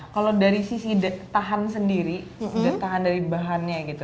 kalau dari sisi tahan sendiri udah tahan dari bahannya gitu